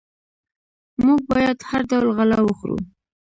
موږ باید هر ډول غله وخورو.